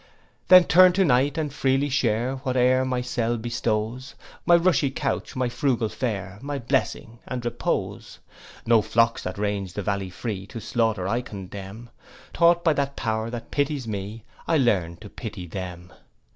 'Then turn to night, and freely share Whate'er my cell bestows; My rushy couch, and frugal fare, My blessing and repose. 'No flocks that range the valley free, To slaughter I condemn: Taught by that power that pities me, I learn to pity them.